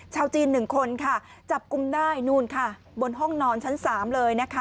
ชาวจีน๑คนค่ะจับกุมได้นู่นค่ะบนห้องนอนชั้น๓เลยนะคะ